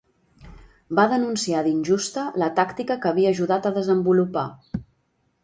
Va denunciar d'injusta la tàctica que havia ajudat a desenvolupar.